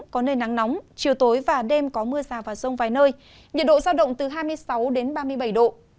chiều tối và đêm có mưa rào và rông vài nơi nhiệt độ giao động từ hai mươi sáu đến ba mươi bảy độ